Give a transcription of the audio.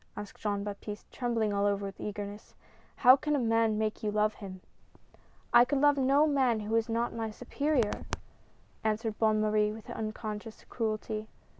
" asked Jean Baptiste, trembling all over with eagerness. " How caii a man make you love him? " "I could love no man who was not my superior!" answered Bonne Marie with unconscious cruelty.